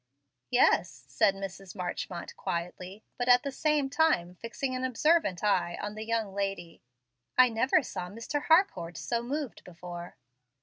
"Yes," said Mrs. Marchmont, quietly, but at the same time fixing an observant eye on the young lady; "I never gaw Mr. Harcourt so moved before."